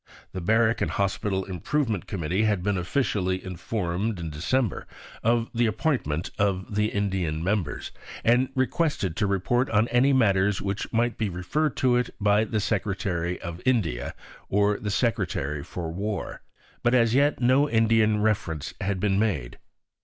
The Barrack and Hospital Improvement Committee had been officially informed in December of the appointment of the Indian members, and requested to report on any matters which might be referred to it by the Secretary for India or the Secretary for War; but as yet no Indian reference had been made.